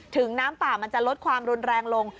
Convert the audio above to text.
น้ำป่ามันจะลดความรุนแรงลง